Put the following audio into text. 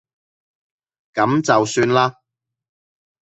噉就算啦